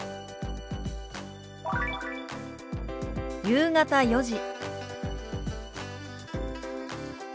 「夕方４時」。